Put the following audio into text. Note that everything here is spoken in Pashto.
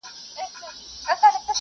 باور وکړه غلیم د هیڅ انسان نه شو دا غر